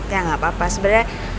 ya nggak apa apa sebenarnya